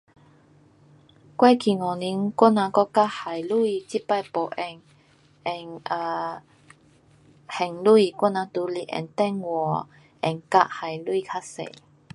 过去五年我人国家现钱这次没用。用啊现钱。我人都是用电话，用卡还钱较多。